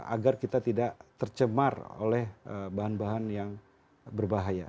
agar kita tidak tercemar oleh bahan bahan yang berbahaya